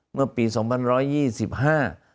เมื่อปีสองพันร้อยยี่สิบห้า